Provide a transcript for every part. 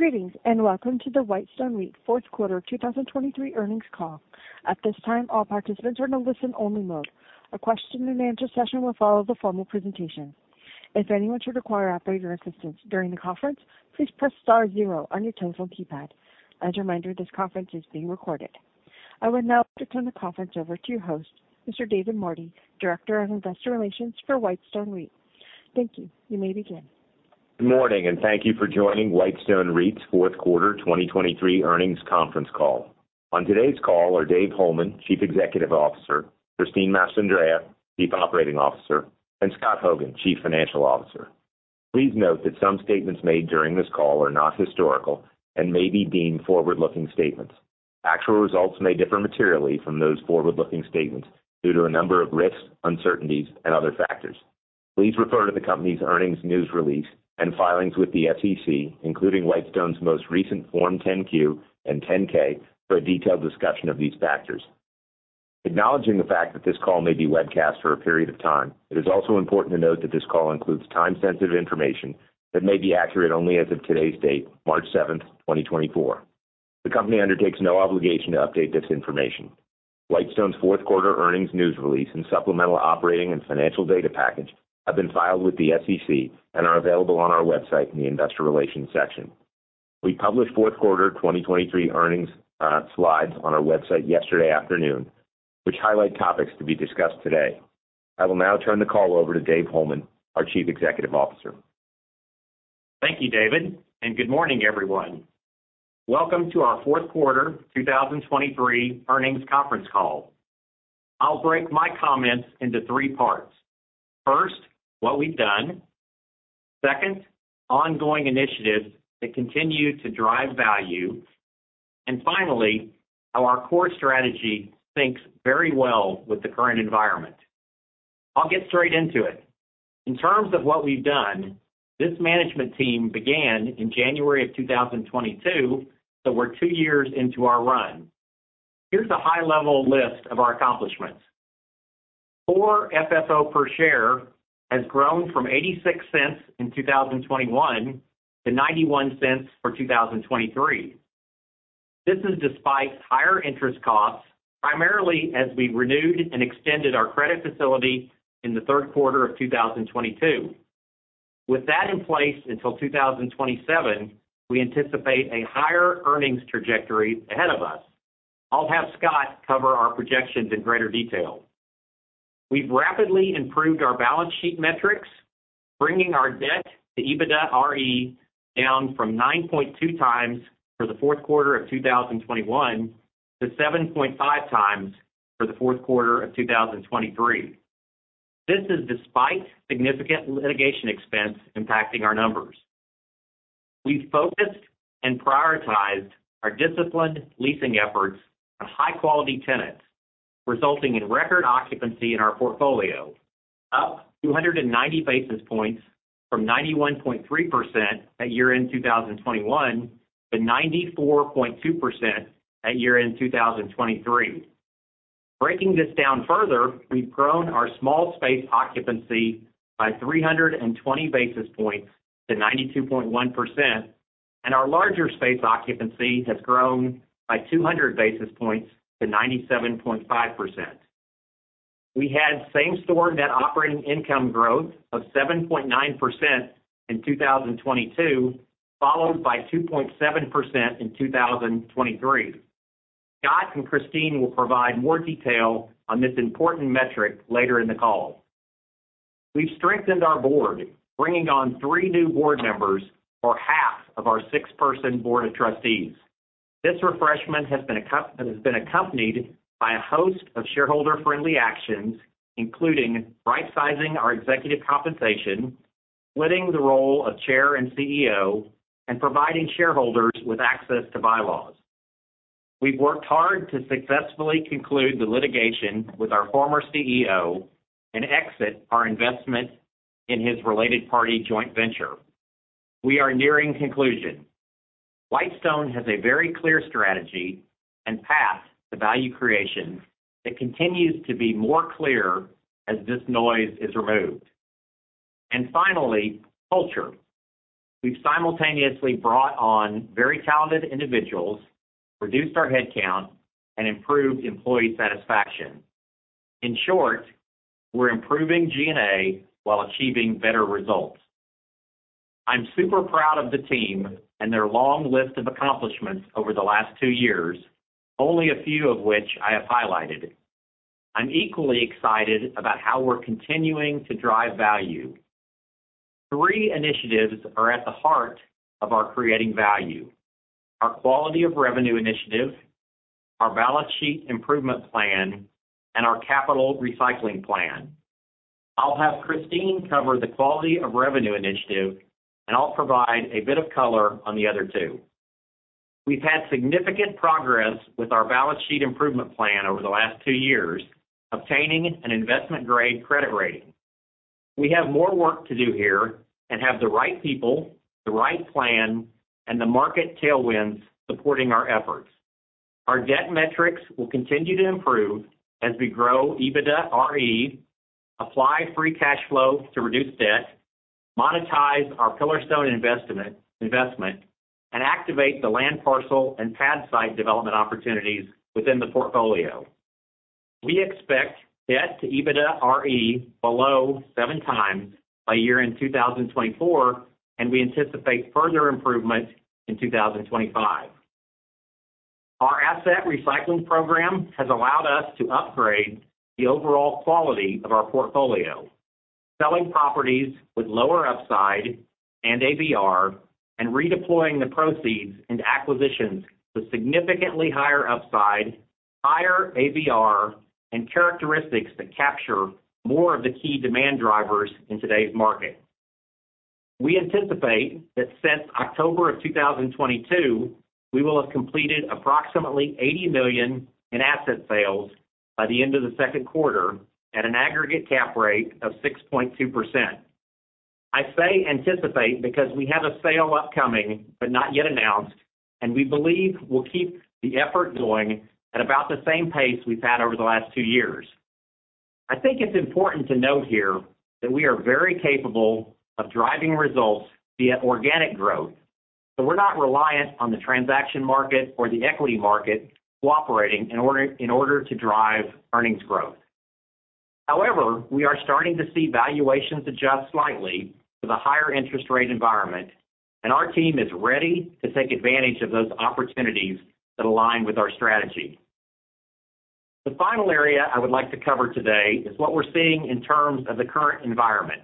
Greetings and welcome to the Whitestone REIT fourth quarter 2023 earnings call. At this time, all participants are in a listen-only mode. A question-and-answer session will follow the formal presentation. If anyone should require operator assistance during the conference, please press star zero on your telephone keypad. As a reminder, this conference is being recorded. I would now like to turn the conference over to your host, Mr. David Mordy, Director of Investor Relations for Whitestone REIT. Thank you. You may begin. Good morning, and thank you for joining Whitestone REIT's fourth quarter 2023 earnings conference call. On today's call are Dave Holeman, Chief Executive Officer; Christine Mastandrea, Chief Operating Officer; and Scott Hogan, Chief Financial Officer. Please note that some statements made during this call are not historical and may be deemed forward-looking statements. Actual results may differ materially from those forward-looking statements due to a number of risks, uncertainties, and other factors. Please refer to the company's earnings news release and filings with the SEC, including Whitestone's most recent Form 10-Q and 10-K, for a detailed discussion of these factors. Acknowledging the fact that this call may be webcast for a period of time, it is also important to note that this call includes time-sensitive information that may be accurate only as of today's date, March 7, 2024. The company undertakes no obligation to update this information. Whitestone's fourth quarter earnings news release and supplemental operating and financial data package have been filed with the SEC and are available on our website in the Investor Relations section. We published fourth quarter 2023 earnings, slides on our website yesterday afternoon, which highlight topics to be discussed today. I will now turn the call over to Dave Holeman, our Chief Executive Officer. Thank you, David, and good morning, everyone. Welcome to our fourth quarter 2023 earnings conference call. I'll break my comments into three parts: first, what we've done; second, ongoing initiatives that continue to drive value; and finally, how our core strategy syncs very well with the current environment. I'll get straight into it. In terms of what we've done, this management team began in January of 2022, so we're two years into our run. Here's a high-level list of our accomplishments: Core FFO per share has grown from $0.86 in 2021 to $0.91 for 2023. This is despite higher interest costs, primarily as we renewed and extended our credit facility in the third quarter of 2022. With that in place until 2027, we anticipate a higher earnings trajectory ahead of us. I'll have Scott cover our projections in greater detail. We've rapidly improved our balance sheet metrics, bringing our debt-to-EBITDA-RE down from 9.2x for the fourth quarter of 2021 to 7.5x for the fourth quarter of 2023. This is despite significant litigation expense impacting our numbers. We've focused and prioritized our disciplined leasing efforts on high-quality tenants, resulting in record occupancy in our portfolio, up 290 basis points from 91.3% at year-end 2021 to 94.2% at year-end 2023. Breaking this down further, we've grown our small-space occupancy by 320 basis points to 92.1%, and our larger-space occupancy has grown by 200 basis points to 97.5%. We had same-store net operating income growth of 7.9% in 2022, followed by 2.7% in 2023. Scott and Christine will provide more detail on this important metric later in the call. We've strengthened our board, bringing on three new board members, or half of our six-person board of trustees. This refreshment has been accompanied by a host of shareholder-friendly actions, including right-sizing our executive compensation, splitting the role of Chair and CEO, and providing shareholders with access to bylaws. We've worked hard to successfully conclude the litigation with our former CEO and exit our investment in his related party joint venture. We are nearing conclusion. Whitestone has a very clear strategy and path to value creation that continues to be more clear as this noise is removed. And finally, culture. We've simultaneously brought on very talented individuals, reduced our headcount, and improved employee satisfaction. In short, we're improving G&A while achieving better results. I'm super proud of the team and their long list of accomplishments over the last two years, only a few of which I have highlighted. I'm equally excited about how we're continuing to drive value. Three initiatives are at the heart of our creating value: our Quality of Revenue Initiative, our Balance Sheet Improvement Plan, and our Capital Recycling Plan. I'll have Christine cover the Quality of Revenue Initiative, and I'll provide a bit of color on the other two. We've had significant progress with our Balance Sheet Improvement Plan over the last two years, obtaining an investment-grade credit rating. We have more work to do here and have the right people, the right plan, and the market tailwinds supporting our efforts. Our debt metrics will continue to improve as we grow EBITDA-RE, apply free cash flow to reduce debt, monetize our Pillarstone investment, and activate the land parcel and pad site development opportunities within the portfolio. We expect debt-to-EBITDA-RE below 7x by year-end 2024, and we anticipate further improvement in 2025. Our asset recycling program has allowed us to upgrade the overall quality of our portfolio: selling properties with lower upside and ABR, and redeploying the proceeds into acquisitions with significantly higher upside, higher ABR, and characteristics that capture more of the key demand drivers in today's market. We anticipate that since October of 2022, we will have completed approximately $80 million in asset sales by the end of the second quarter at an aggregate cap rate of 6.2%. I say anticipate because we have a sale upcoming but not yet announced, and we believe we'll keep the effort going at about the same pace we've had over the last two years. I think it's important to note here that we are very capable of driving results via organic growth, so we're not reliant on the transaction market or the equity market cooperating in order to drive earnings growth. However, we are starting to see valuations adjust slightly to the higher interest rate environment, and our team is ready to take advantage of those opportunities that align with our strategy. The final area I would like to cover today is what we're seeing in terms of the current environment.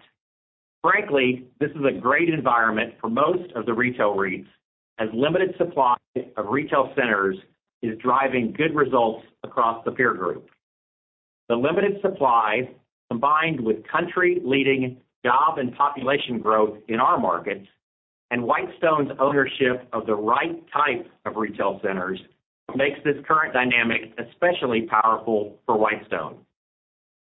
Frankly, this is a great environment for most of the retail REITs, as limited supply of retail centers is driving good results across the peer group. The limited supply, combined with country-leading job and population growth in our markets and Whitestone's ownership of the right type of retail centers, makes this current dynamic especially powerful for Whitestone.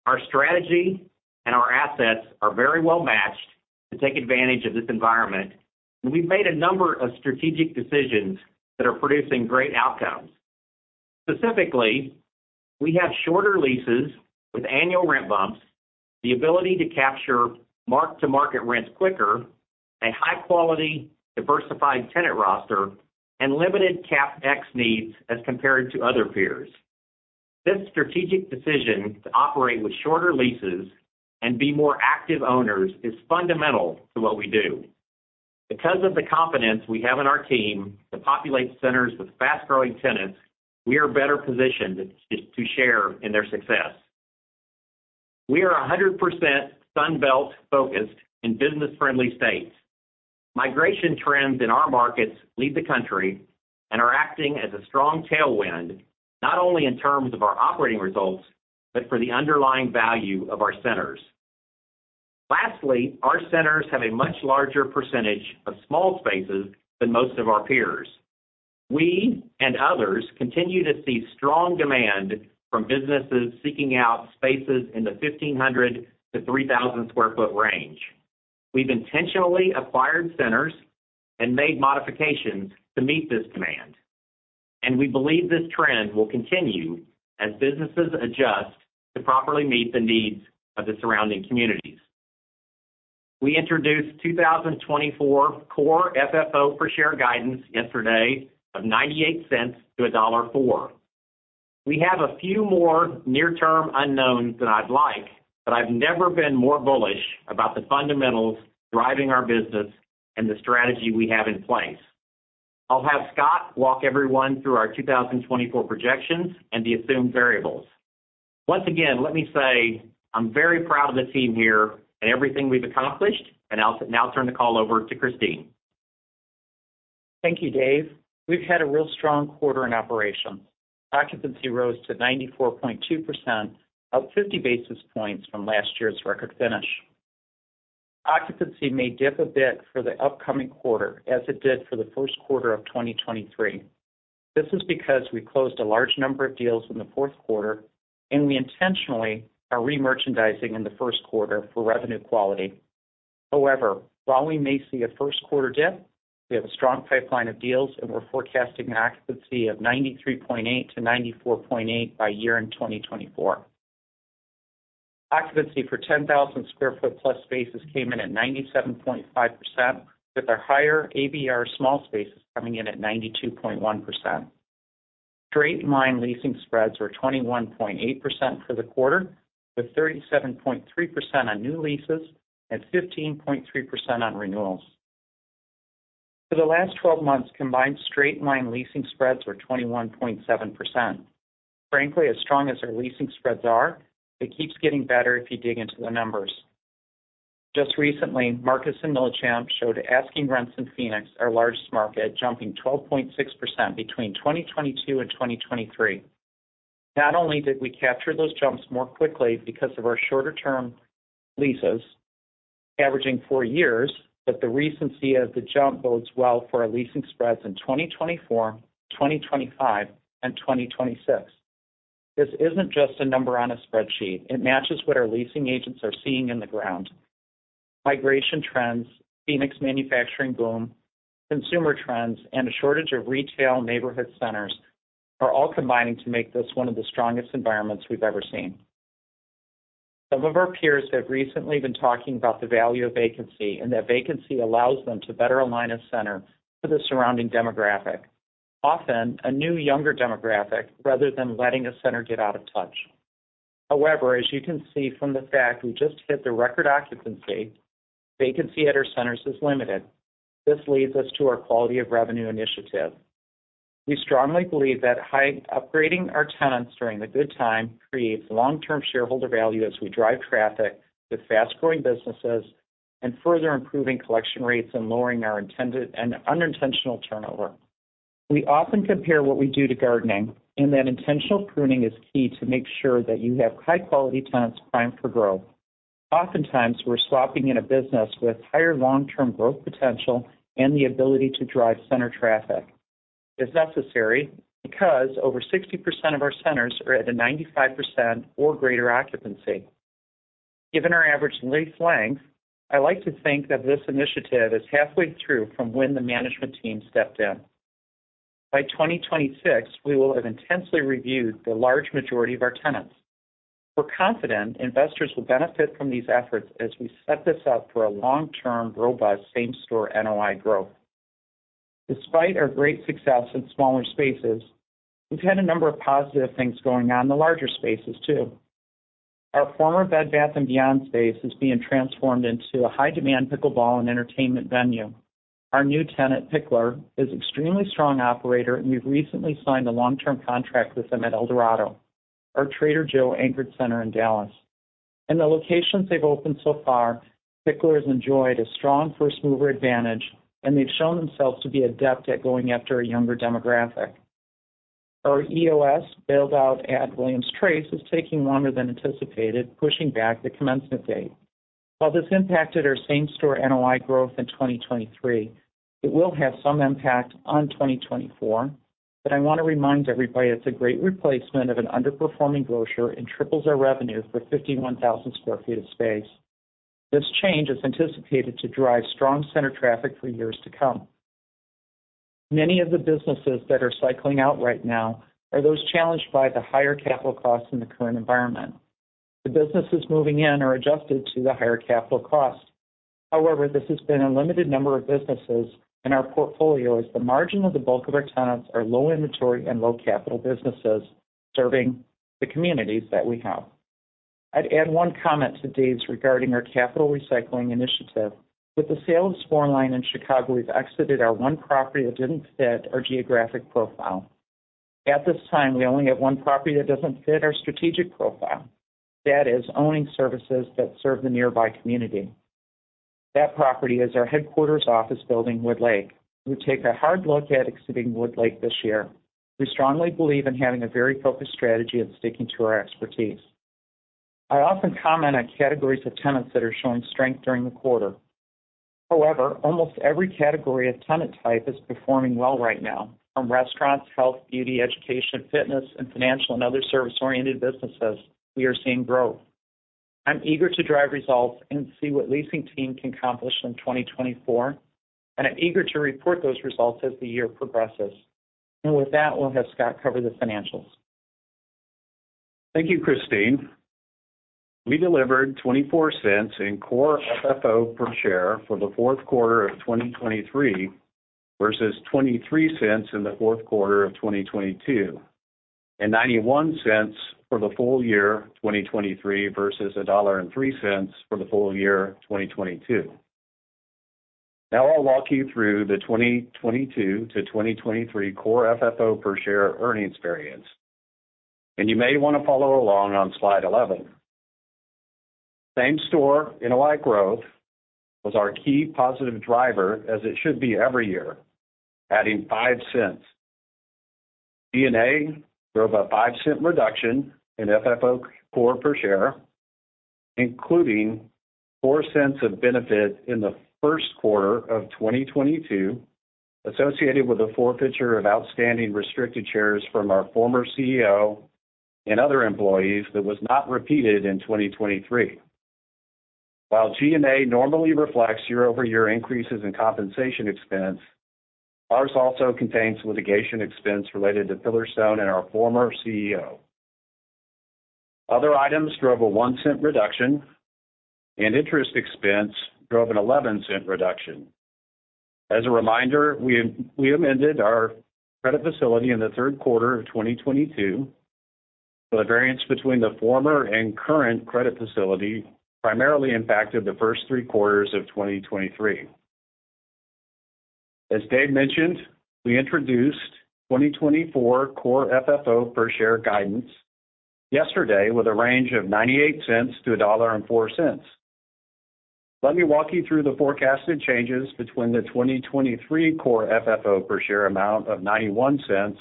Our strategy and our assets are very well matched to take advantage of this environment, and we've made a number of strategic decisions that are producing great outcomes. Specifically, we have shorter leases with annual rent bumps, the ability to capture mark-to-market rents quicker, a high-quality, diversified tenant roster, and limited CapEx needs as compared to other peers. This strategic decision to operate with shorter leases and be more active owners is fundamental to what we do. Because of the confidence we have in our team to populate centers with fast-growing tenants, we are better positioned to share in their success. We are 100% Sunbelt-focused and business-friendly states. Migration trends in our markets lead the country and are acting as a strong tailwind, not only in terms of our operating results but for the underlying value of our centers. Lastly, our centers have a much larger percentage of small spaces than most of our peers. We and others continue to see strong demand from businesses seeking out spaces in the 1,500-3,000 sq ft range. We've intentionally acquired centers and made modifications to meet this demand, and we believe this trend will continue as businesses adjust to properly meet the needs of the surrounding communities. We introduced 2024 Core FFO per share guidance yesterday of $0.98-$1.04. We have a few more near-term unknowns than I'd like, but I've never been more bullish about the fundamentals driving our business and the strategy we have in place. I'll have Scott walk everyone through our 2024 projections and the assumed variables. Once again, let me say I'm very proud of the team here and everything we've accomplished, and I'll now turn the call over to Christine. Thank you, Dave. We've had a real strong quarter in operations. Occupancy rose to 94.2%, up 50 basis points from last year's record finish. Occupancy may dip a bit for the upcoming quarter as it did for the first quarter of 2023. This is because we closed a large number of deals in the fourth quarter, and we intentionally are remerchandising in the first quarter for revenue quality. However, while we may see a first-quarter dip, we have a strong pipeline of deals, and we're forecasting an occupancy of 93.8%-94.8% by year-end 2024. Occupancy for 10,000 sq ft-plus spaces came in at 97.5%, with our higher ABR small spaces coming in at 92.1%. Straight-line leasing spreads were 21.8% for the quarter, with 37.3% on new leases and 15.3% on renewals. For the last 12 months, combined straight-line leasing spreads were 21.7%. Frankly, as strong as our leasing spreads are, it keeps getting better if you dig into the numbers. Just recently, Marcus & Millichap showed asking rents in Phoenix, our largest market, jumping 12.6% between 2022 and 2023. Not only did we capture those jumps more quickly because of our shorter-term leases, averaging four years, but the recency of the jump bodes well for our leasing spreads in 2024, 2025, and 2026. This isn't just a number on a spreadsheet. It matches what our leasing agents are seeing in the ground. Migration trends, Phoenix manufacturing boom, consumer trends, and a shortage of retail neighborhood centers are all combining to make this one of the strongest environments we've ever seen. Some of our peers have recently been talking about the value of vacancy, and that vacancy allows them to better align a center to the surrounding demographic, often a new, younger demographic, rather than letting a center get out of touch. However, as you can see from the fact we just hit the record occupancy, vacancy at our centers is limited. This leads us to our Quality of Revenue Initiative. We strongly believe that upgrading our tenants during the good time creates long-term shareholder value as we drive traffic with fast-growing businesses and further improving collection rates and lowering our intended and unintentional turnover. We often compare what we do to gardening, in that intentional pruning is key to make sure that you have high-quality tenants primed for growth. Oftentimes, we're swapping in a business with higher long-term growth potential and the ability to drive center traffic, if necessary, because over 60% of our centers are at a 95% or greater occupancy. Given our average lease length, I like to think that this initiative is halfway through from when the management team stepped in. By 2026, we will have intensely reviewed the large majority of our tenants. We're confident investors will benefit from these efforts as we set this up for a long-term, robust same-store NOI growth. Despite our great success in smaller spaces, we've had a number of positive things going on in the larger spaces, too. Our former Bed Bath & Beyond space is being transformed into a high-demand pickleball and entertainment venue. Our new tenant, Picklr, is an extremely strong operator, and we've recently signed a long-term contract with them at Eldorado, our Trader Joe's anchored center in Dallas. In the locations they've opened so far, Picklr has enjoyed a strong first-mover advantage, and they've shown themselves to be adept at going after a younger demographic. Our EoS build-out at Williams Trace is taking longer than anticipated, pushing back the commencement date. While this impacted our same-store NOI growth in 2023, it will have some impact on 2024, but I want to remind everybody it's a great replacement of an underperforming grocer and triples our revenue for 51,000 sq ft of space. This change is anticipated to drive strong center traffic for years to come. Many of the businesses that are cycling out right now are those challenged by the higher capital costs in the current environment. The businesses moving in are adjusted to the higher capital cost. However, this has been a limited number of businesses in our portfolio as the margin of the bulk of our tenants are low-inventory and low-capital businesses serving the communities that we have. I'd add one comment to Dave's regarding our Capital Recycling Initiative. With the sale of Spoerlein Commons in Chicago, we've exited our one property that didn't fit our geographic profile. At this time, we only have one property that doesn't fit our strategic profile. That is, owning services that serve the nearby community. That property is our headquarters office building, Woodlake. We'll take a hard look at exiting Woodlake this year. We strongly believe in having a very focused strategy and sticking to our expertise. I often comment on categories of tenants that are showing strength during the quarter. However, almost every category of tenant type is performing well right now. From restaurants, health, beauty, education, fitness, and financial and other service-oriented businesses, we are seeing growth. I'm eager to drive results and see what the leasing team can accomplish in 2024, and I'm eager to report those results as the year progresses. And with that, we'll have Scott cover the financials. Thank you, Christine. We delivered $0.24 in core FFO per share for the fourth quarter of 2023 versus $0.23 in the fourth quarter of 2022, and $0.91 for the full year 2023 versus $1.03 for the full year 2022. Now, I'll walk you through the 2022 to 2023 core FFO per share earnings variance, and you may want to follow along on slide 11. Same-Store NOI growth was our key positive driver, as it should be every year, adding $0.05. D&A drove a $0.05 reduction in core FFO per share, including $0.04 of benefit in the first quarter of 2022 associated with a forfeiture of outstanding restricted shares from our former CEO and other employees that was not repeated in 2023. While G&A normally reflects year-over-year increases in compensation expense, ours also contains litigation expense related to Pillarstone and our former CEO. Other items drove a $0.01 reduction, and interest expense drove an $0.11 reduction. As a reminder, we amended our credit facility in the third quarter of 2022, so the variance between the former and current credit facility primarily impacted the first three quarters of 2023. As Dave mentioned, we introduced 2024 core FFO per share guidance yesterday with a range of $0.98-$1.04. Let me walk you through the forecasted changes between the 2023 core FFO per share amount of $0.91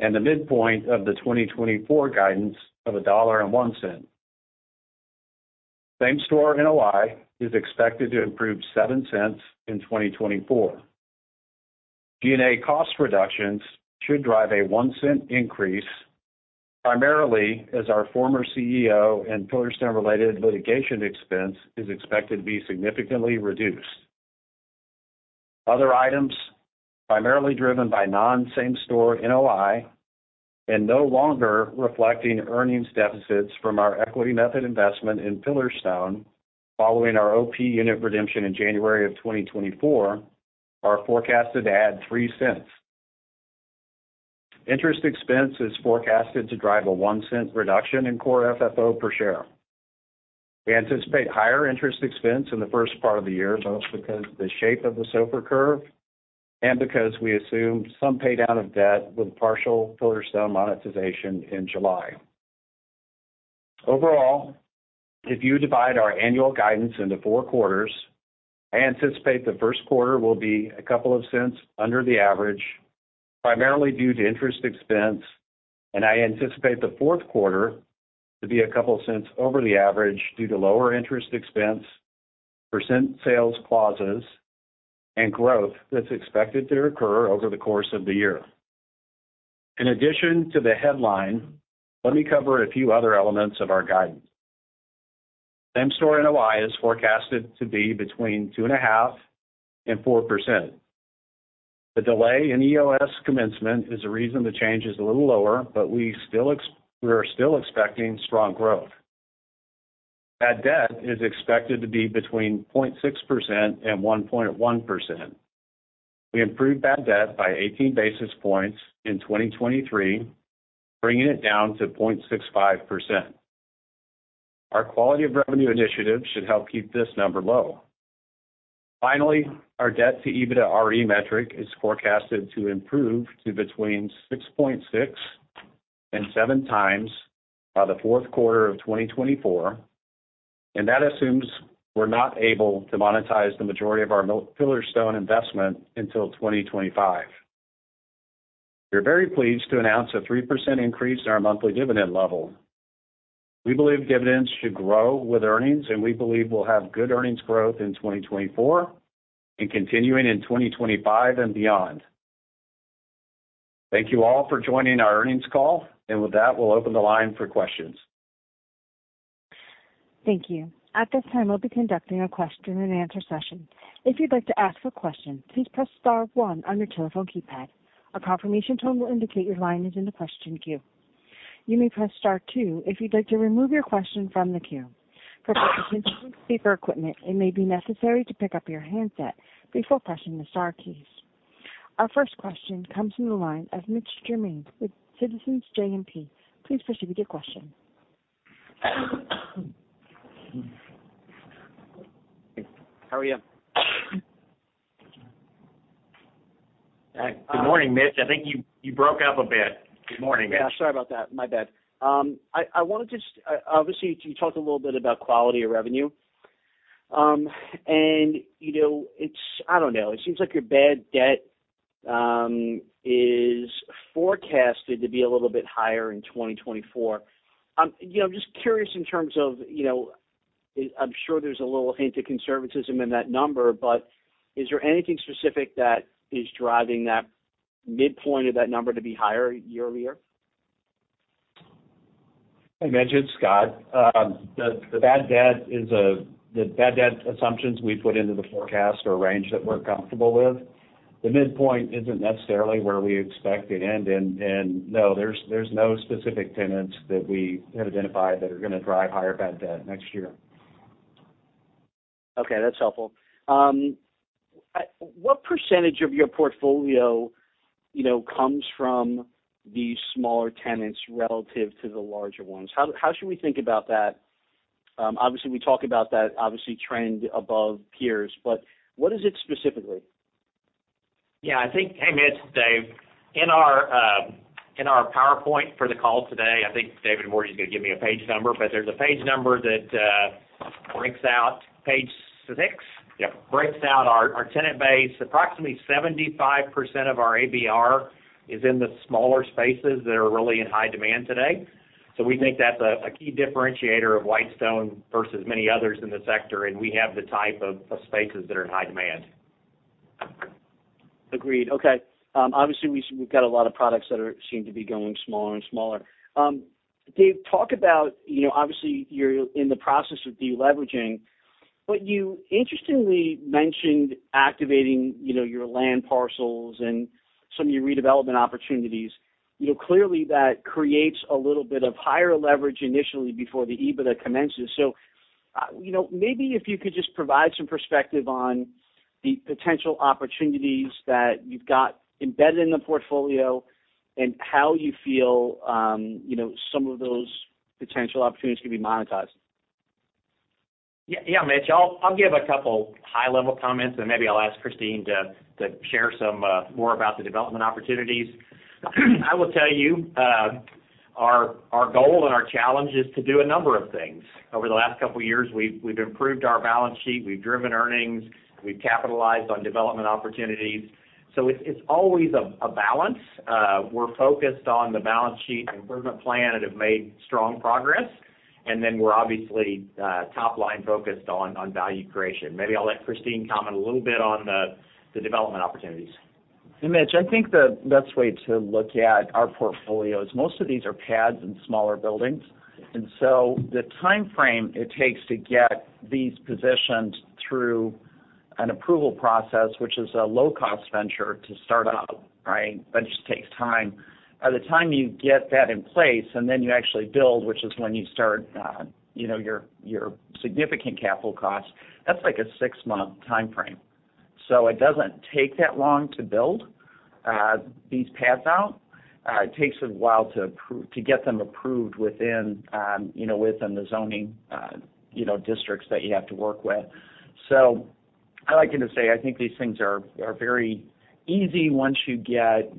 and the midpoint of the 2024 guidance of $1.01. Same-store NOI is expected to improve $0.07 in 2024. G&A cost reductions should drive a $0.01 increase, primarily as our former CEO and Pillarstone-related litigation expense is expected to be significantly reduced. Other items, primarily driven by non-same-store NOI and no longer reflecting earnings deficits from our equity method investment in Pillarstone following our OP unit redemption in January of 2024, are forecasted to add $0.03. Interest expense is forecasted to drive a $0.01 reduction in core FFO per share. We anticipate higher interest expense in the first part of the year, both because of the shape of the SOFR curve and because we assume some paydown of debt with partial Pillarstone monetization in July. Overall, if you divide our annual guidance into four quarters, I anticipate the first quarter will be a couple of cents under the average, primarily due to interest expense, and I anticipate the fourth quarter to be a couple cents over the average due to lower interest expense, percent sales clauses, and growth that's expected to occur over the course of the year. In addition to the headline, let me cover a few other elements of our guidance. Same-Store NOI is forecasted to be between 2.5%-4%. The delay in EOS commencement is a reason the change is a little lower, but we are still expecting strong growth. Bad debt is expected to be between 0.6%-1.1%. We improved bad debt by 18 basis points in 2023, bringing it down to 0.65%. Our Quality of Revenue Initiative should help keep this number low. Finally, our debt-to-EBITDA-RE metric is forecasted to improve to between 6.6x-7x by the fourth quarter of 2024, and that assumes we're not able to monetize the majority of our Pillarstone investment until 2025. We are very pleased to announce a 3% increase in our monthly dividend level. We believe dividends should grow with earnings, and we believe we'll have good earnings growth in 2024 and continuing in 2025 and beyond. Thank you all for joining our earnings call, and with that, we'll open the line for questions. Thank you. At this time, we'll be conducting a question-and-answer session. If you'd like to ask a question, please press star one on your telephone keypad. A confirmation tone will indicate your line is in the question queue. You may press star two if you'd like to remove your question from the queue. For participants with speaker equipment, it may be necessary to pick up your handset before pressing the star keys. Our first question comes from the line of Mitch Germain with Citizens JMP. Please proceed with your question. Hey. How are you? Hi. Good morning, Mitch. I think you broke up a bit. Good morning, Mitch. Yeah. Sorry about that. My bad. I want to just obviously, you talked a little bit about quality of revenue, and it's, I don't know. It seems like your bad debt is forecasted to be a little bit higher in 2024. I'm just curious in terms of, I'm sure there's a little hint of conservatism in that number, but is there anything specific that is driving that midpoint of that number to be higher year-over-year? Hey, Mitch. It's Scott. The bad debt assumptions we put into the forecast are a range that we're comfortable with. The midpoint isn't necessarily where we expect it end, and no, there's no specific tenants that we have identified that are going to drive higher bad debt next year. Okay. That's helpful. What percentage of your portfolio comes from these smaller tenants relative to the larger ones? How should we think about that? Obviously, we talk about that, obviously, trend above peers, but what is it specifically? Yeah. I think, hey, Mitch, Dave. In our PowerPoint for the call today, I think David Mordy's going to give me a page number, but there's a page number that breaks out page six, breaks out our tenant base. Approximately 75% of our ABR is in the smaller spaces that are really in high demand today. So we think that's a key differentiator of Whitestone versus many others in the sector, and we have the type of spaces that are in high demand. Agreed. Okay. Obviously, we've got a lot of products that seem to be going smaller and smaller. Dave, talk about obviously, you're in the process of deleveraging, but you interestingly mentioned activating your land parcels and some of your redevelopment opportunities. Clearly, that creates a little bit of higher leverage initially before the EBITDA commences. So maybe if you could just provide some perspective on the potential opportunities that you've got embedded in the portfolio and how you feel some of those potential opportunities could be monetized? Yeah, Mitch. I'll give a couple high-level comments, and maybe I'll ask Christine to share some more about the development opportunities. I will tell you, our goal and our challenge is to do a number of things. Over the last couple of years, we've improved our balance sheet. We've driven earnings. We've capitalized on development opportunities. So it's always a balance. We're focused on the balance sheet improvement plan that have made strong progress, and then we're obviously top-line focused on value creation. Maybe I'll let Christine comment a little bit on the development opportunities. Hey, Mitch. I think the best way to look at our portfolio, most of these are pads and smaller buildings, and so the timeframe it takes to get these positioned through an approval process, which is a low-cost venture to start up, right, that just takes time. By the time you get that in place and then you actually build, which is when you start your significant capital costs, that's like a six-month timeframe. So it doesn't take that long to build these pads out. It takes a while to get them approved within the zoning districts that you have to work with. So I like to just say, I think these things are very easy once you get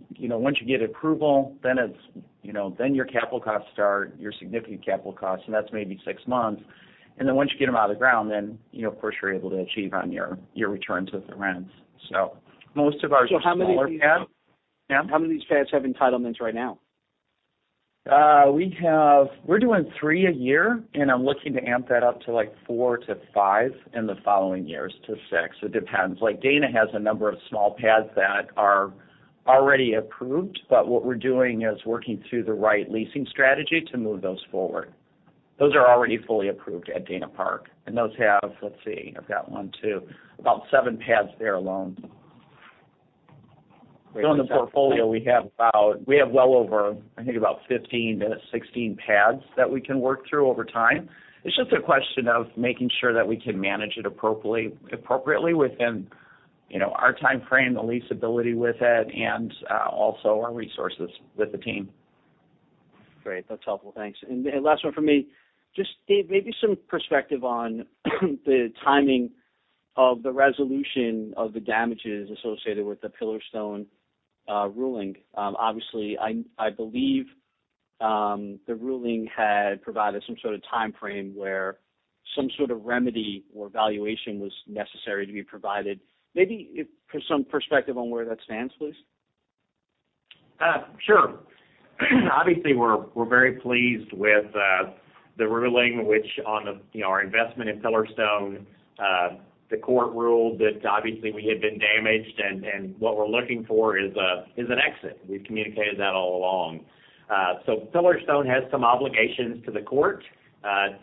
approval, then your capital costs start, your significant capital costs, and that's maybe 6 months. Then once you get them out of the ground, then, of course, you're able to achieve on your returns of the rents. So most of our smaller pads yeah? How many of these pads have entitlements right now? We're doing three a year, and I'm looking to amp that up to like four to five in the following years to six. It depends. Dana has a number of small pads that are already approved, but what we're doing is working through the right leasing strategy to move those forward. Those are already fully approved at Dana Park, and those have, let's see. I've got one, too. About seven pads there alone. So in the portfolio, we have well over I think about 15-16 pads that we can work through over time. It's just a question of making sure that we can manage it appropriately within our timeframe, the leasability with it, and also our resources with the team. Great. That's helpful. Thanks. And last one from me. Just, Dave, maybe some perspective on the timing of the resolution of the damages associated with the Pillarstone ruling. Obviously, I believe the ruling had provided some sort of timeframe where some sort of remedy or valuation was necessary to be provided. Maybe some perspective on where that stands, please. Sure. Obviously, we're very pleased with the ruling, which on our investment in Pillarstone, the court ruled that obviously, we had been damaged, and what we're looking for is an exit. We've communicated that all along. So Pillarstone has some obligations to the court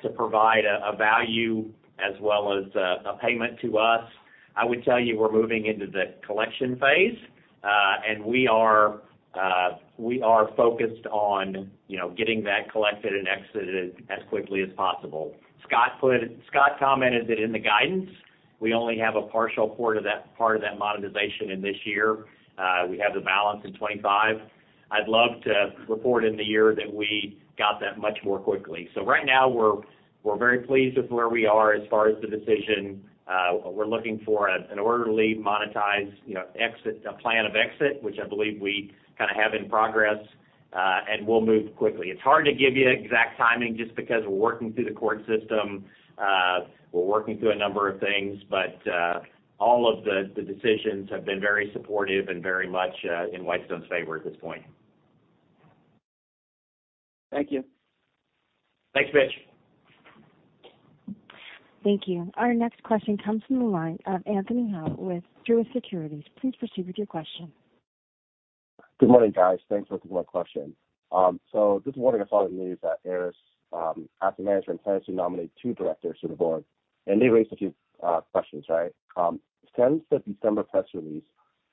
to provide a value as well as a payment to us. I would tell you, we're moving into the collection phase, and we are focused on getting that collected and exited as quickly as possible. Scott commented that in the guidance, we only have a partial part of that monetization in this year. We have the balance in 2025. I'd love to report in the year that we got that much more quickly. So right now, we're very pleased with where we are as far as the decision. We're looking for an orderly monetized plan of exit, which I believe we kind of have in progress, and we'll move quickly. It's hard to give you exact timing just because we're working through the court system. We're working through a number of things, but all of the decisions have been very supportive and very much in Whitestone's favor at this point. Thank you. Thanks, Mitch. Thank you. Our next question comes from the line of Anthony Hau with Truist Securities. Please proceed with your question. Good morning, guys. Thanks for taking my question. So this morning, I saw the news that Erez Asset Management nominated two directors to the board, and they raised a few questions, right? Since the December press release,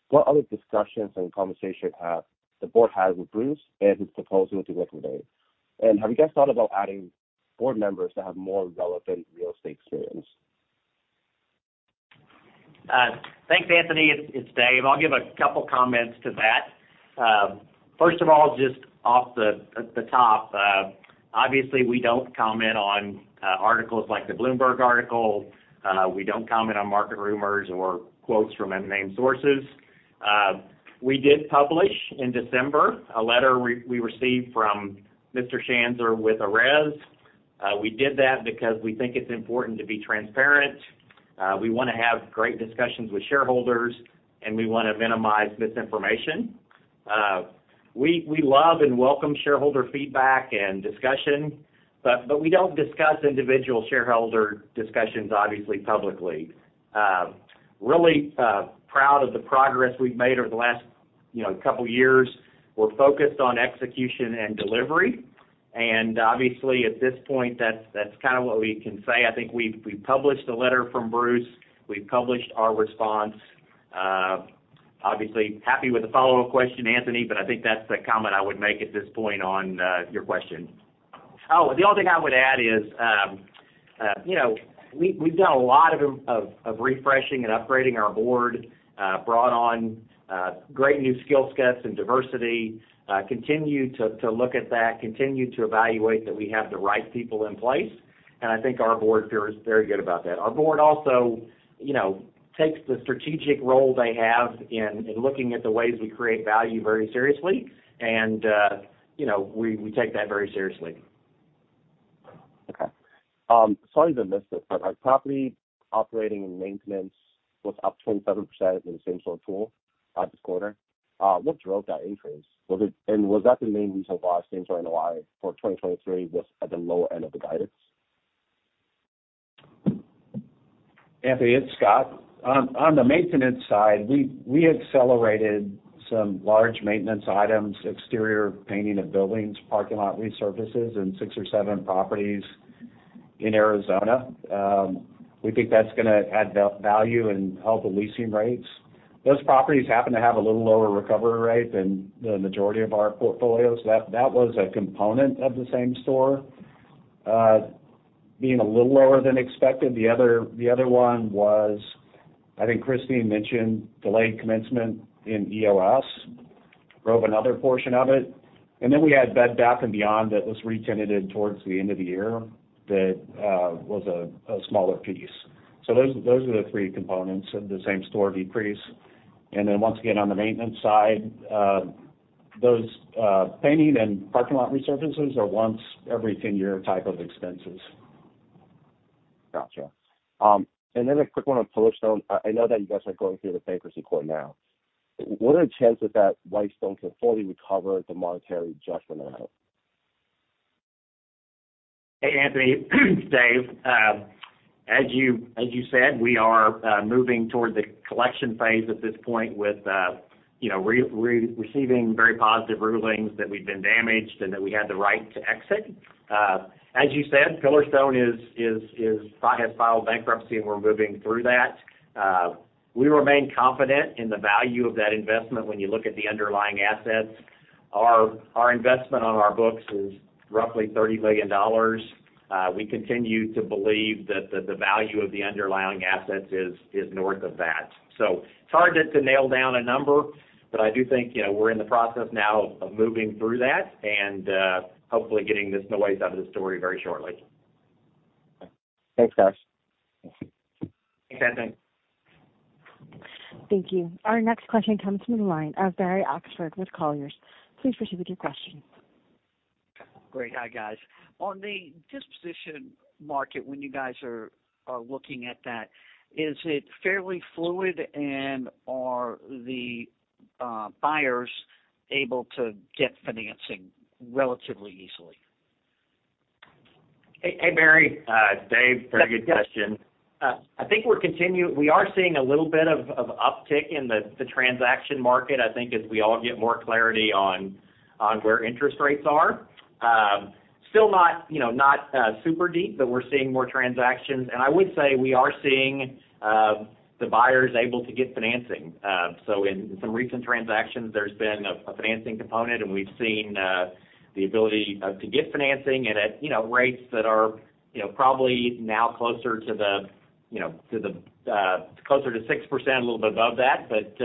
what other discussions and conversation has the board had with Bruce and his proposal to liquidate? And have you guys thought about adding board members that have more relevant real estate experience? Thanks, Anthony. It's Dave. I'll give a couple comments to that. First of all, just off the top, obviously, we don't comment on articles like the Bloomberg article. We don't comment on market rumors or quotes from unnamed sources. We did publish in December a letter we received from Mr. Schanzer with Erez. We did that because we think it's important to be transparent. We want to have great discussions with shareholders, and we want to minimize misinformation. We love and welcome shareholder feedback and discussion, but we don't discuss individual shareholder discussions, obviously, publicly. Really proud of the progress we've made over the last couple of years. We're focused on execution and delivery. And obviously, at this point, that's kind of what we can say. I think we've published a letter from Bruce. We've published our response. Obviously, happy with the follow-up question, Anthony, but I think that's the comment I would make at this point on your question. Oh, the only thing I would add is we've done a lot of refreshing and upgrading our board, brought on great new skill sets and diversity, continue to look at that, continue to evaluate that we have the right people in place, and I think our board feels very good about that. Our board also takes the strategic role they have in looking at the ways we create value very seriously, and we take that very seriously. Okay. Sorry to miss this, but property operating and maintenance was up 27% in the Same-Store pool this quarter. What drove that increase? And was that the main reason why Same-Store NOI for 2023 was at the lower end of the guidance? Anthony, it's Scott. On the maintenance side, we accelerated some large maintenance items, exterior painting of buildings, parking lot resurfacing in six or seven properties in Arizona. We think that's going to add value and help the leasing rates. Those properties happen to have a little lower recovery rate than the majority of our portfolio. That was a component of the same-store being a little lower than expected. The other one was I think Christine mentioned delayed commencement in EOS drove another portion of it. And then we had Bed Bath & Beyond that was re-tenanted towards the end of the year that was a smaller piece. So those are the three components of the same-store decrease. And then once again, on the maintenance side, those painting and parking lot resurfacing are once every 10-year type of expenses. Gotcha. And then a quick one on Pillarstone. I know that you guys are going through the bankruptcy court now. What are the chances that Whitestone can fully recover the monetary judgment amount? Hey, Anthony. Dave, as you said, we are moving toward the collection phase at this point with receiving very positive rulings that we've been damaged and that we had the right to exit. As you said, Pillarstone has filed bankruptcy, and we're moving through that. We remain confident in the value of that investment when you look at the underlying assets. Our investment on our books is roughly $30 million. We continue to believe that the value of the underlying assets is north of that. So it's hard to nail down a number, but I do think we're in the process now of moving through that and hopefully getting this noise out of the story very shortly. Thanks, guys. Thanks, Anthony. Thank you. Our next question comes from the line of Barry Oxford with Colliers. Please proceed with your question. Great. Hi, guys. On the disposition market, when you guys are looking at that, is it fairly fluid, and are the buyers able to get financing relatively easily? Hey, Barry. It's Dave. Very good question. I think we are seeing a little bit of uptick in the transaction market, I think, as we all get more clarity on where interest rates are. Still not super deep, but we're seeing more transactions. And I would say we are seeing the buyers able to get financing. So in some recent transactions, there's been a financing component, and we've seen the ability to get financing at rates that are probably now closer to the closer to 6%, a little bit above that, but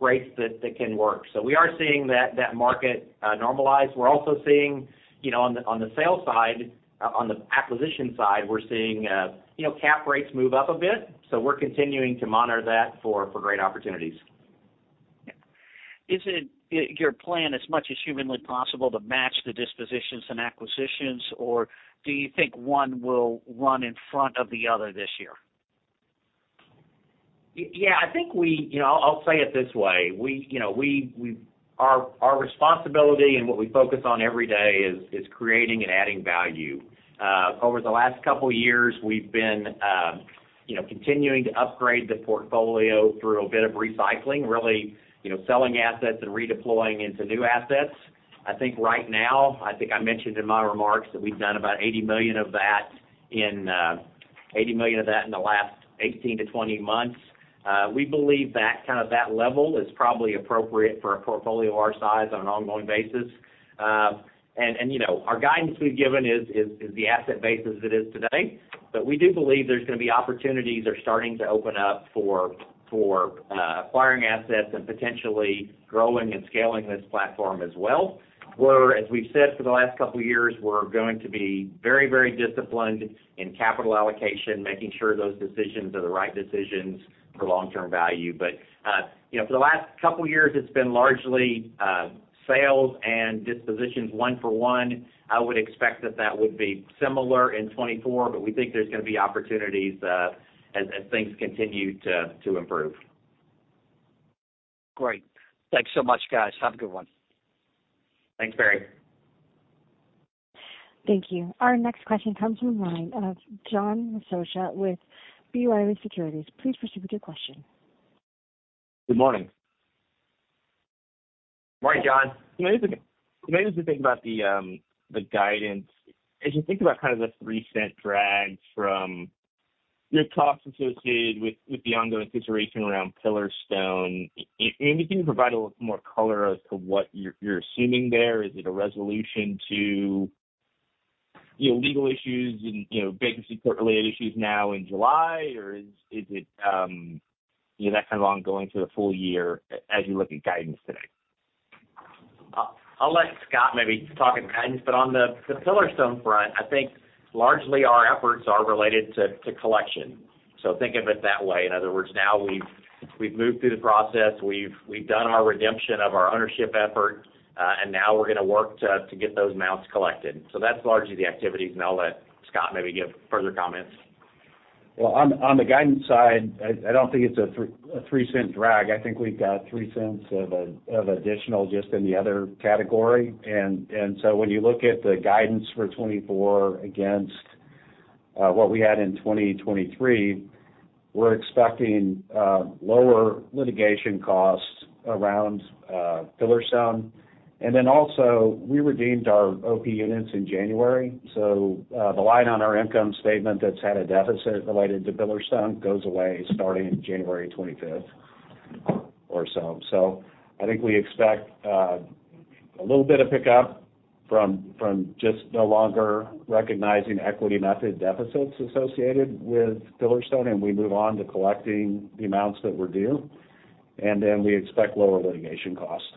rates that can work. So we are seeing that market normalize. We're also seeing on the sale side, on the acquisition side, we're seeing cap rates move up a bit. So we're continuing to monitor that for great opportunities. Yeah. Is it your plan, as much as humanly possible, to match the dispositions and acquisitions, or do you think one will run in front of the other this year? Yeah. I think I'll say it this way. Our responsibility and what we focus on every day is creating and adding value. Over the last couple of years, we've been continuing to upgrade the portfolio through a bit of recycling, really selling assets and redeploying into new assets. I think right now, I think I mentioned in my remarks that we've done about $80 million of that in $80 million of that in the last 18-20 months. We believe kind of that level is probably appropriate for a portfolio of our size on an ongoing basis. Our guidance we've given is the asset basis as it is today, but we do believe there's going to be opportunities that are starting to open up for acquiring assets and potentially growing and scaling this platform as well. Where, as we've said for the last couple of years, we're going to be very, very disciplined in capital allocation, making sure those decisions are the right decisions for long-term value. But for the last couple of years, it's been largely sales and dispositions one-for-one. I would expect that that would be similar in 2024, but we think there's going to be opportunities as things continue to improve. Great. Thanks so much, guys. Have a good one. Thanks, Barry. Thank you. Our next question comes from the line of John Massocca with B. Riley Securities. Please proceed with your question. Good morning. Morning, John. It's amazing to think about the guidance. As you think about kind of the $0.03 drags from your talks associated with the ongoing situation around Pillarstone, maybe can you provide a little more color as to what you're assuming there? Is it a resolution to legal issues and bankruptcy-court-related issues now in July, or is it that kind of ongoing through the full year as you look at guidance today? I'll let Scott maybe talk in guidance, but on the Pillarstone front, I think largely our efforts are related to collection. So think of it that way. In other words, now we've moved through the process. We've done our redemption of our ownership effort, and now we're going to work to get those amounts collected. So that's largely the activities, and I'll let Scott maybe give further comments. Well, on the guidance side, I don't think it's a $0.03 drag. I think we've got $0.03 of additional just in the other category. And so when you look at the guidance for 2024 against what we had in 2023, we're expecting lower litigation costs around Pillarstone. And then also, we redeemed our OP units in January. So the line on our income statement that's had a deficit related to Pillarstone goes away starting January 25th or so. So I think we expect a little bit of pickup from just no longer recognizing equity method deficits associated with Pillarstone, and we move on to collecting the amounts that we're due. And then we expect lower litigation costs.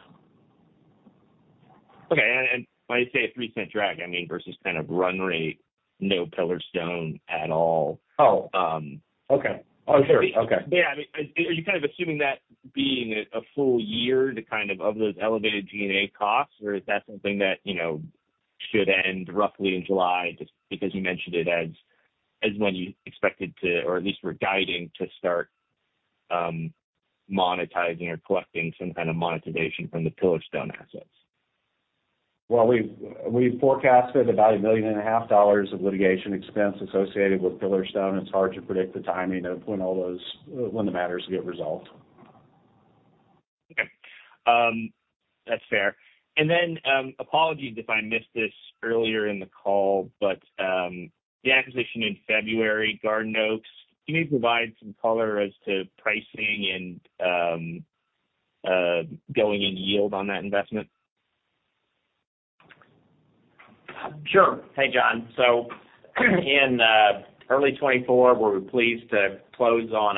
Okay. And when you say a $0.03 drag, I mean versus kind of run rate, no Pillarstone at all. Oh. Okay. Oh, sure. Okay. Yeah. I mean, are you kind of assuming that being a full year of those elevated G&A costs, or is that something that should end roughly in July just because you mentioned it as when you expected to or at least were guiding to start monetizing or collecting some kind of monetization from the Pillarstone assets? Well, we've forecasted about $1.5 million of litigation expense associated with Pillarstone. It's hard to predict the timing of when all those matters get resolved. Okay. That's fair. And then apologies if I missed this earlier in the call, but the acquisition in February, Garden Oaks, can you provide some color as to pricing and going into yield on that investment? Sure. Hey, John. So in early 2024, we were pleased to close on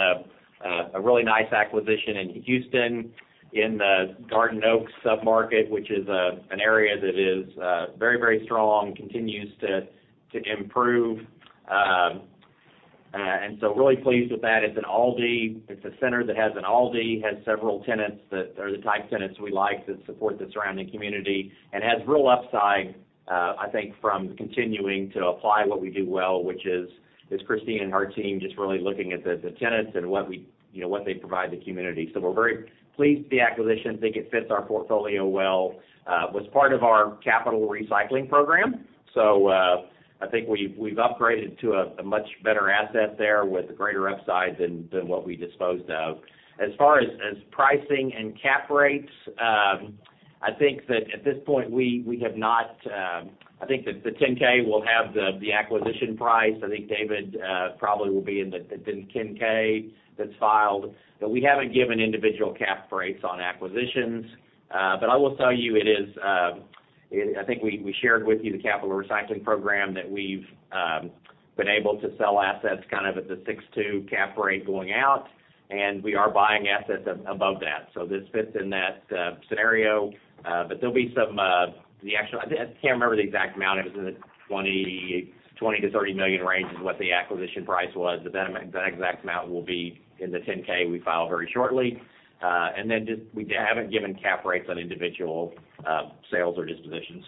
a really nice acquisition in Houston in the Garden Oaks submarket, which is an area that is very, very strong, continues to improve. And so really pleased with that. It's an ALDI. It's a center that has an ALDI, has several tenants that are the type tenants we like that support the surrounding community, and has real upside, I think, from continuing to apply what we do well, which is Christine and her team just really looking at the tenants and what they provide the community. So we're very pleased with the acquisition. Think it fits our portfolio well. Was part of our capital recycling program. So I think we've upgraded to a much better asset there with a greater upside than what we disposed of. As far as pricing and cap rates, I think that at this point, we have not. I think that the 10-K will have the acquisition price. I think David probably will be in the 10-K that's filed. But we haven't given individual cap rates on acquisitions. But I will tell you, it is. I think we shared with you the capital recycling program that we've been able to sell assets kind of at the 6.2% cap rate going out, and we are buying assets above that. So this fits in that scenario. But there'll be some the actual. I can't remember the exact amount. It was in the $20 million-$30 million range is what the acquisition price was. But that exact amount will be in the 10-K, we file very shortly. And then we haven't given cap rates on individual sales or dispositions.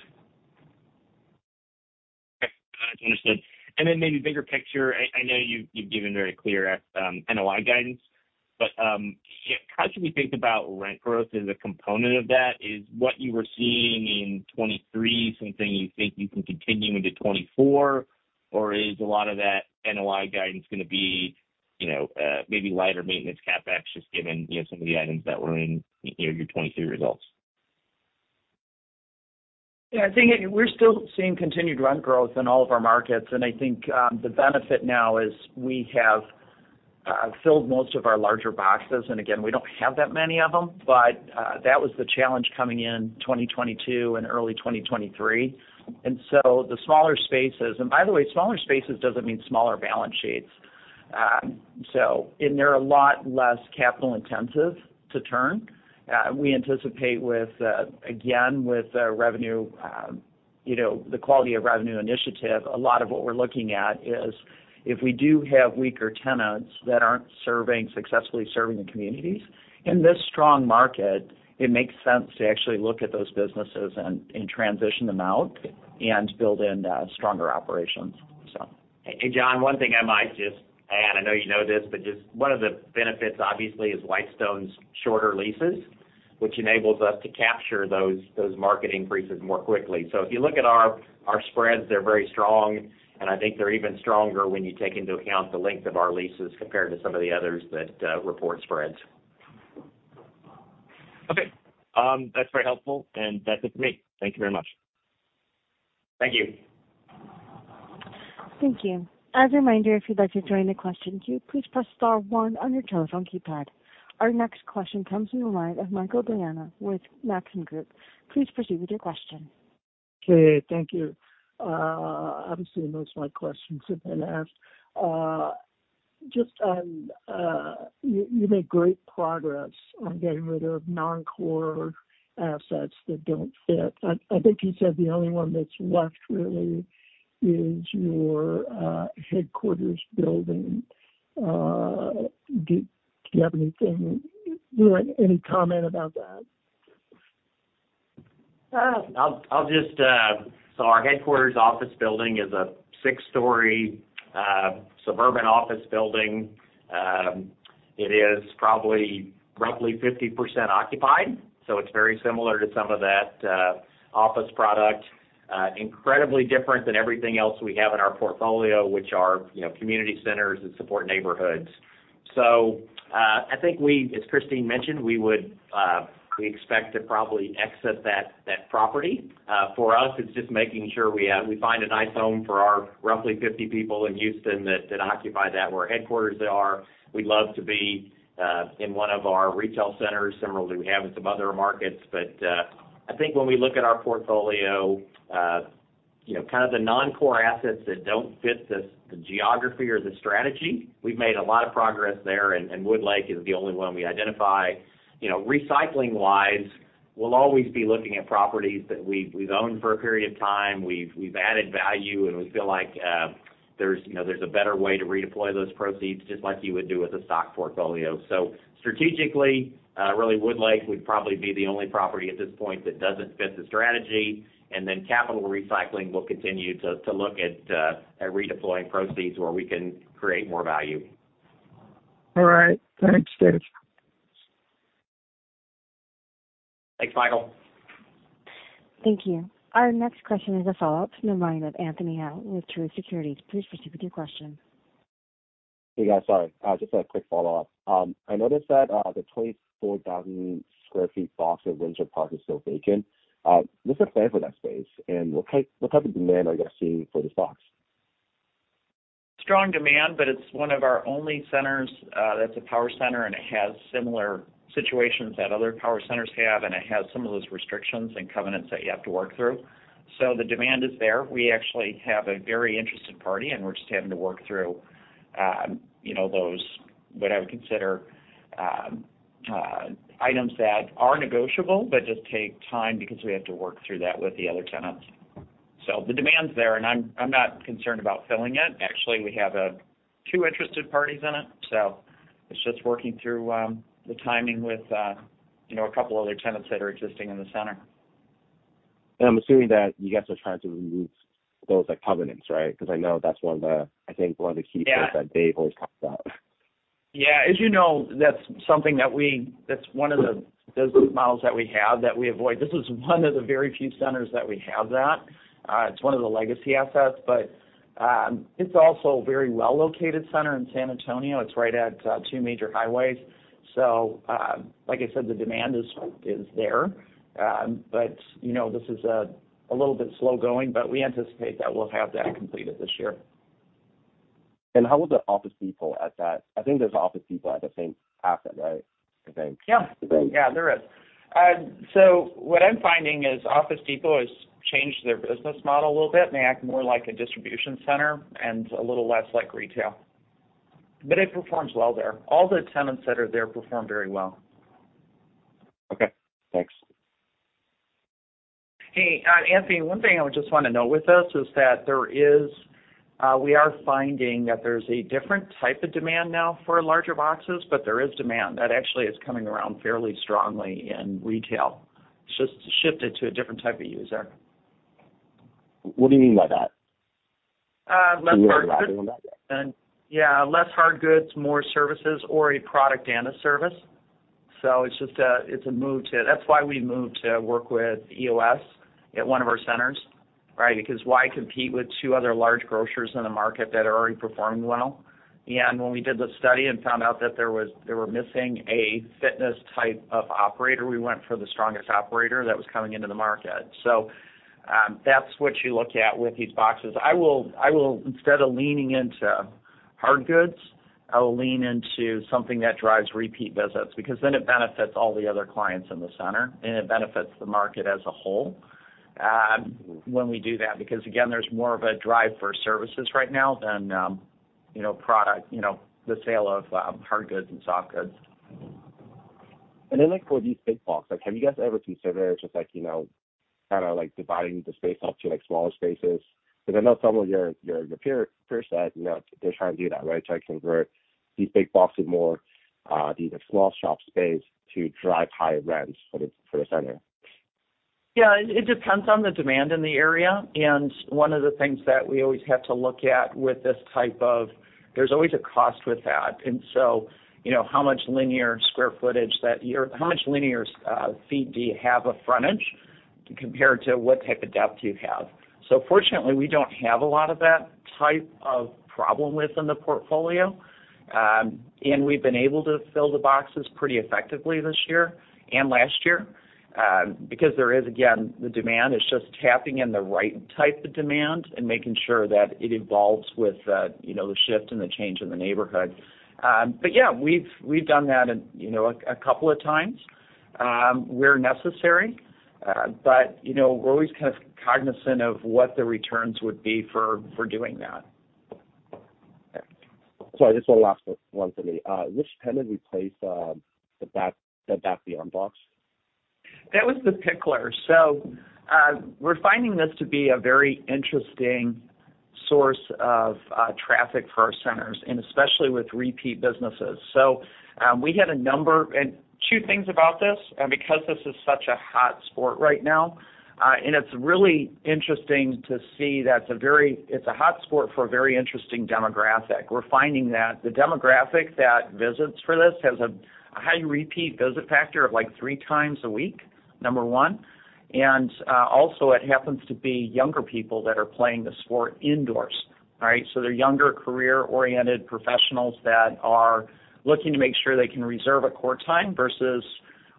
Okay. That's understood. Then maybe bigger picture, I know you've given very clear NOI guidance, but how should we think about rent growth as a component of that? Is what you were seeing in 2023 something you think you can continue into 2024, or is a lot of that NOI guidance going to be maybe lighter maintenance CapEx just given some of the items that were in your 2023 results? Yeah. I think we're still seeing continued rent growth in all of our markets. I think the benefit now is we have filled most of our larger boxes. Again, we don't have that many of them, but that was the challenge coming in 2022 and early 2023. So the smaller spaces and by the way, smaller spaces doesn't mean smaller balance sheets. And they're a lot less capital-intensive to turn. We anticipate, again, with the quality of revenue initiative, a lot of what we're looking at is if we do have weaker tenants that aren't successfully serving the communities, in this strong market, it makes sense to actually look at those businesses and transition them out and build in stronger operations, so. Hey, John, one thing I might just and I know you know this, but just one of the benefits, obviously, is Whitestone's shorter leases, which enables us to capture those market increases more quickly. So if you look at our spreads, they're very strong, and I think they're even stronger when you take into account the length of our leases compared to some of the others that report spreads. Okay. That's very helpful, and that's it for me. Thank you very much. Thank you. Thank you. As a reminder, if you'd like to join the question queue, please press star one on your telephone keypad. Our next question comes from the line of Michael Diana with Maxim Group. Please proceed with your question. Okay. Thank you. Obviously, most of my questions have been asked. You make great progress on getting rid of non-core assets that don't fit. I think you said the only one that's left, really, is your headquarters building. Do you have any comment about that? So our headquarters office building is a six-story suburban office building. It is probably roughly 50% occupied, so it's very similar to some of that office product, incredibly different than everything else we have in our portfolio, which are community centers that support neighborhoods. So I think we, as Christine mentioned, we expect to probably exit that property. For us, it's just making sure we find a nice home for our roughly 50 people in Houston that occupy that where our headquarters are. We'd love to be in one of our retail centers. Similarly, we have in some other markets. But I think when we look at our portfolio, kind of the non-core assets that don't fit the geography or the strategy, we've made a lot of progress there, and Woodlake is the only one we identify. Recycling-wise, we'll always be looking at properties that we've owned for a period of time. We've added value, and we feel like there's a better way to redeploy those proceeds just like you would do with a stock portfolio. So strategically, really, Woodlake would probably be the only property at this point that doesn't fit the strategy. And then capital recycling, we'll continue to look at redeploying proceeds where we can create more value. All right. Thanks, Dave. Thanks, Michael. Thank you. Our next question is a follow-up from the line of Anthony Hau with Truist Securities. Please proceed with your question. Hey, guys. Sorry. Just a quick follow-up. I noticed that the 24,000 sq ft box at Windsor Park is still vacant. What's the plan for that space, and what type of demand are you guys seeing for this box? Strong demand, but it's one of our only centers that's a power center, and it has similar situations that other power centers have, and it has some of those restrictions and covenants that you have to work through. So the demand is there. We actually have a very interested party, and we're just having to work through those what I would consider items that are negotiable but just take time because we have to work through that with the other tenants. So the demand's there, and I'm not concerned about filling it. Actually, we have two interested parties in it, so it's just working through the timing with a couple of other tenants that are existing in the center. I'm assuming that you guys are trying to remove those covenants, right? Because I know that's one of the I think one of the key things that Dave always talks about. Yeah. Yeah. As you know, that's something that we, that's one of the business models that we have that we avoid. This is one of the very few centers that we have. It's one of the legacy assets, but it's also a very well-located center in San Antonio. It's right at two major highways. So like I said, the demand is there. But this is a little bit slow-going, but we anticipate that we'll have that completed this year. How about the Office Depot at that? I think there's Office Depot at the same asset, right? Yeah. Yeah. There is. So what I'm finding is Office Depot has changed their business model a little bit. They act more like a distribution center and a little less like retail. But it performs well there. All the tenants that are there perform very well. Okay. Thanks. Hey, Anthony, one thing I would just want to note with this is that we are finding that there's a different type of demand now for larger boxes, but there is demand. That actually is coming around fairly strongly in retail. It's just shifted to a different type of user. What do you mean by that? Less hard goods. Can you elaborate on that? Yeah. Less hard goods, more services, or a product and a service. So it's a move to that. That's why we moved to work with EoS at one of our centers, right? Because why compete with two other large grocers in the market that are already performing well? And when we did the study and found out that they were missing a fitness type of operator, we went for the strongest operator that was coming into the market. So that's what you look at with these boxes. Instead of leaning into hard goods, I will lean into something that drives repeat visits because then it benefits all the other clients in the center, and it benefits the market as a whole when we do that because, again, there's more of a drive for services right now than the sale of hard goods and soft goods. And then for these big boxes, have you guys ever considered just kind of dividing the space up to smaller spaces? Because I know some of your peers said they're trying to do that, right, to convert these big boxes more to these small shop spaces to drive higher rents for the center. Yeah. It depends on the demand in the area. One of the things that we always have to look at with this type of—there's always a cost with that. So how much linear square footage that you're—how much linear feet do you have of frontage compared to what type of depth you have? Fortunately, we don't have a lot of that type of problem within the portfolio. We've been able to fill the boxes pretty effectively this year and last year because there is, again, the demand. It's just tapping in the right type of demand and making sure that it evolves with the shift and the change in the neighborhood. But yeah, we've done that a couple of times where necessary. We're always kind of cognizant of what the returns would be for doing that. Sorry. Just one last one, Sydney. Which tenant replaced the Bed Bath & Beyond? That was The Picklr. So we're finding this to be a very interesting source of traffic for our centers, and especially with repeat businesses. So we had a number and two things about this. Because this is such a hot sport right now, and it's really interesting to see that it's a hot sport for a very interesting demographic. We're finding that the demographic that visits for this has a high repeat visit factor of like three times a week, number one. And also, it happens to be younger people that are playing the sport indoors, right? So they're younger, career-oriented professionals that are looking to make sure they can reserve a court time versus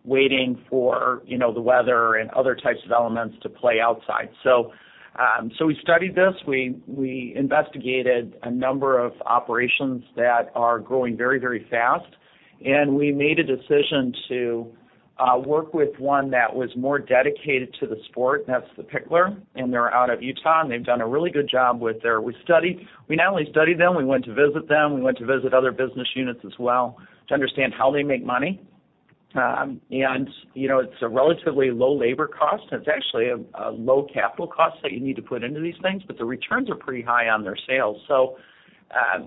waiting for the weather and other types of elements to play outside. So we studied this. We investigated a number of operations that are growing very, very fast. We made a decision to work with one that was more dedicated to the sport. That's The Picklr. They're out of Utah, and they've done a really good job with theirs. We not only studied them. We went to visit them. We went to visit other business units as well to understand how they make money. It's a relatively low labor cost, and it's actually a low capital cost that you need to put into these things, but the returns are pretty high on their sales. So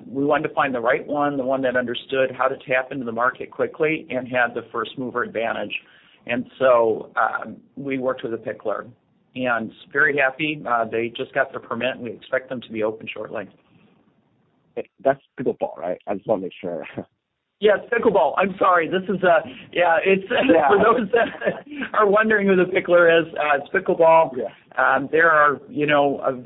we wanted to find the right one, the one that understood how to tap into the market quickly and had the first-mover advantage. So we worked with The Picklr. Very happy. They just got their permit, and we expect them to be open shortly. That's pickleball, right? I just want to make sure. Yeah. It's pickleball. I'm sorry. Yeah. For those that are wondering who The Picklr is, it's pickleball. There are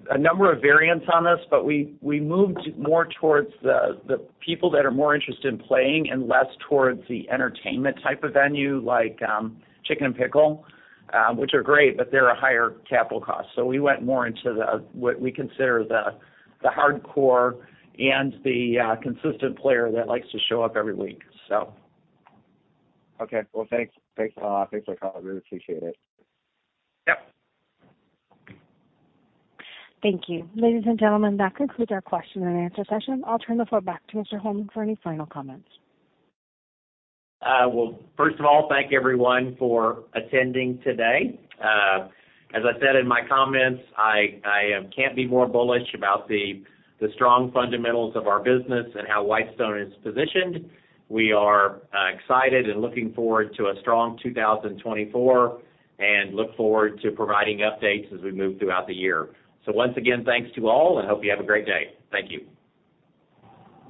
a number of variants on this, but we moved more towards the people that are more interested in playing and less towards the entertainment type of venue like Chicken N Pickle, which are great, but they're a higher capital cost. So we went more into what we consider the hardcore and the consistent player that likes to show up every week, so. Okay. Well, thanks. Thanks for the call. I really appreciate it. Yep. Thank you. Ladies and gentlemen, that concludes our question and answer session. I'll turn the floor back to Mr. Holeman for any final comments. Well, first of all, thank everyone for attending today. As I said in my comments, I can't be more bullish about the strong fundamentals of our business and how Whitestone is positioned. We are excited and looking forward to a strong 2024 and look forward to providing updates as we move throughout the year. Once again, thanks to all, and hope you have a great day. Thank you.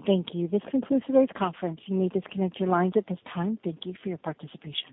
Thank you. This concludes today's conference. You may disconnect your lines at this time. Thank you for your participation.